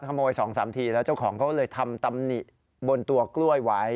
ขโมย๒๓ทีแล้วเจ้าของเขาเลยทำตำหนิบนตัวกล้วยไว้